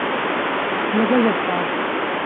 له بلې خوا